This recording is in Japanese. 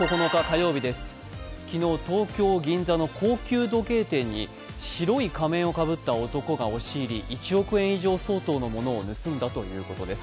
昨日、東京・銀座の高級時計店に白い仮面をかぶった男が押し入り１億円以上相当のものを盗んだということです。